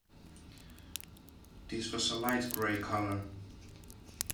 This was a light grey colour.